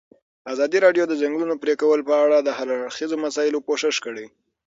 ازادي راډیو د د ځنګلونو پرېکول په اړه د هر اړخیزو مسایلو پوښښ کړی.